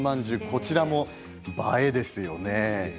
これも映えですよね。